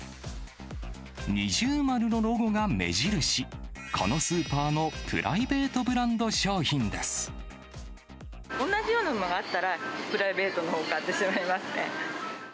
二重丸のロゴが目印、このスーパーのプライベートブランド商品で同じようなものがあったら、プライベートのほう買ってしまいますね。